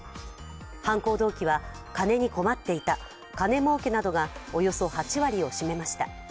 犯行動機は金に困っていた金儲けなどがおよそ８割を占めました。